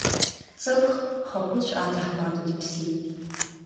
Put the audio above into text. Ҵыԥх Хакәыцә аҭаҳмада дыԥсит.